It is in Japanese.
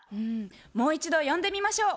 もう一度呼んでみましょう。